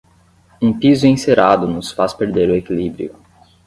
Um piso encerado nos faz perder o equilíbrio.